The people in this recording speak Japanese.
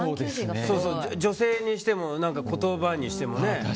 女性にしても言葉にしてもね。